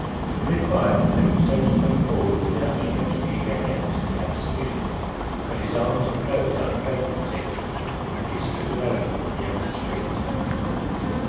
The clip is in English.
With a cry, Livingstone sprang forward with outstretched, eager hands to catch the vision; but his arms enclosed only vacancy and he stood alone in the empty street.